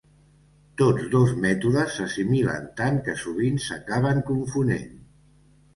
Tots dos mètodes s'assimilen tant que sovint s'acaben confonent.